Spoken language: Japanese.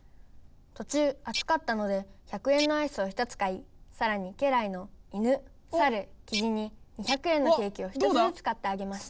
とちゅうあつかったので１００円のアイスを１つ買いさらに家来の犬サルキジに２００円のケーキを１つずつ買ってあげました。